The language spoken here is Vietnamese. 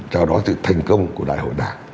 cho đó sự thành công của đại hội đảng